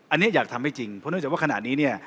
อันนี้อยากทำให้จริงเพราะเนื่องจากว่าขณะนี้เนี่ย